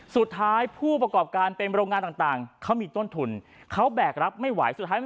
สุดท้ายผู้ประกอบการเป็นโรงงานต่างเขามีต้นทุนเขาแบกรับไม่ไหว